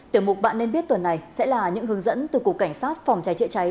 tiểu mục bạn nên biết tuần này sẽ là những hướng dẫn từ cục cảnh sát phòng cháy chữa cháy